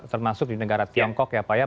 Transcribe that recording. termasuk di negara tiongkok ya pak ya